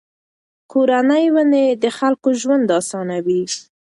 کورني ونې د خلکو ژوند آسانوي.